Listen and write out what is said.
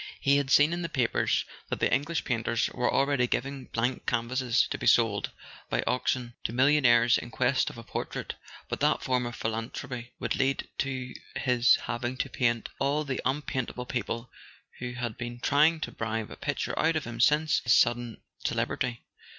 He had seen in the papers that the English painters were already giving blank canvases to be sold by auc¬ tion to millionaires in quest of a portrait. But that form of philanthropy would lead to his having to paint all the unpaintable people who had been trying to bribe a picture out of him since his sudden celebrity.